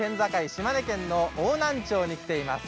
島根県の邑南町に来ています。